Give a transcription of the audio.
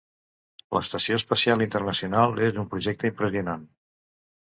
L'estació espacial internacional és un projecte impressionat.